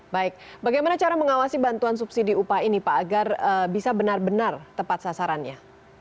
baik bagaimana cara mengawasi bantuan subsidi upah ini pak agar bisa benar benar tepat sasarannya